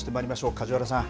梶原さん